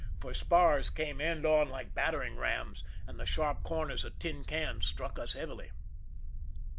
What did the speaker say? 112 THE RUN IN spars came end on like battering rams, and the sharp corners of tin cans struck us heavily.